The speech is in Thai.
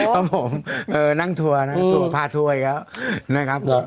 เพราะผมเออนั่งทัวร์นะทัวร์พาทัวร์อย่างเงี้ยนะครับอ่า